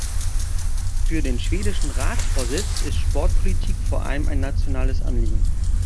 Für den schwedischen Ratsvorsitz ist Sportpolitik vor allem ein nationales Anliegen.